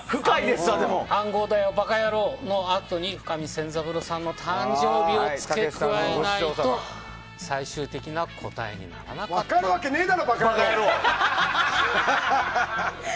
暗号だよ馬鹿野郎のあとに深見千三郎さんの誕生日を付け加えないと分かるわけねえだろ馬鹿野郎！